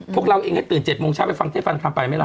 พวกเราเองตื่นเจ็บโมงเช้าไปฟังเทศฟังธรรมไปไหมล่ะ